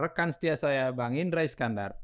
rekan setia saya bang indra iskandar